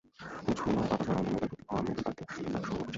ঝুমা আপা ছাড়াও অন্য মেয়েদের প্রতিও আমি একটা বাড়তি আকর্ষণ অনুভব করছি।